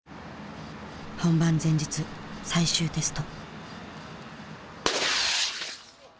本番前日最終テスト。